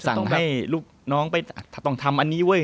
ต้องให้ลูกน้องไปต้องทำอันนี้เว้ย